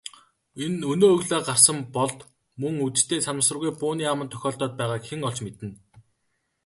Өнөө өглөө гарсан Болд мөн үдэштээ санамсаргүй бууны аманд тохиолдоод байгааг хэн олж мэднэ.